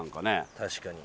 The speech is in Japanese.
確かに。